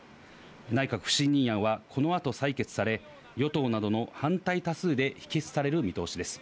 内閣不信任案はこのあと採決され、与党などの反対多数で否決される見通しです。